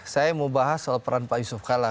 saya mau bahas soal peran pak yusuf kalla